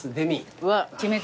うわ決めた。